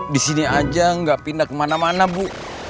disini aja gak pindah kemana mana bu